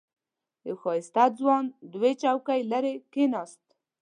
یو ښایسته ځوان دوه چوکۍ لرې کېناست.